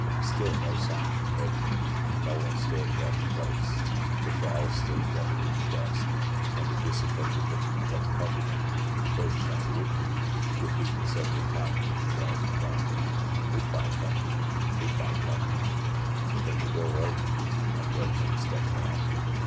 Still no sign from Red Mick. No one stirred about the place; the fowls still fluttered in the dust, and a dissipated looking pet cockatoo, perched on the wood heap repeated several times in a drowsy tone, "Good bye, Cockie! Good bye, Cockie!" Then the door opened, and Red Mick stepped out.